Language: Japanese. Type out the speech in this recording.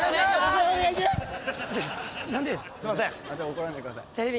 怒らんでください。